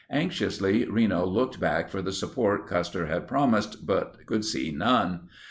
Anxiously, Reno looked back for the support Custer had promised but could see none.